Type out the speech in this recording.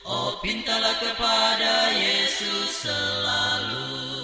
oh pintalah kepada yesus selalu